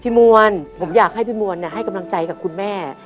มวลผมอยากให้พี่มวลให้กำลังใจกับคุณแม่